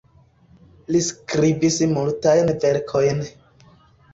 Li skribis multajn verkojn.